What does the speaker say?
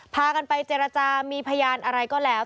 พากันไปเจรจามีพยานอะไรก็แล้ว